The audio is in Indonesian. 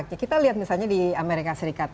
ya kita lihat misalnya di amerika serikat